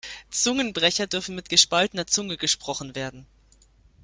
Zungenbrecher dürfen mit gespaltener Zunge gesprochen werden.